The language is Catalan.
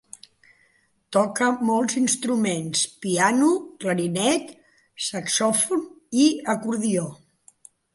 Tocà molts instruments: piano, clarinet, saxòfon i acordió.